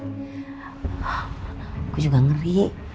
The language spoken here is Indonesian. ngeri nggak tidak